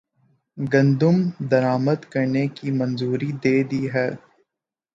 گندم درآمدکرنے کی منظوری دےدی ہے